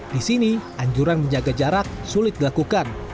di sini anjuran menjaga jarak sulit dilakukan